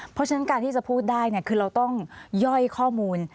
เพราะฉะนั้นการที่จะพูดได้คือเราต้องย่อยข้อมูล